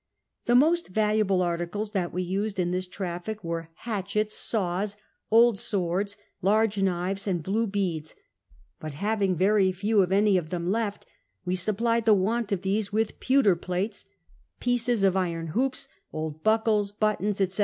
The moat valuable articles that we used in this traflic were hatchets, X KING GEORGE SOUND I3S saws, old swords, large knives, and blue beads ; but having very few of any of them left, we supplied the want of these with pewter plates, pieces of iron hoops, old buckles, buttons, etc.